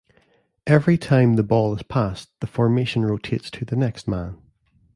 Every time the ball is passed the formation rotates to the next man.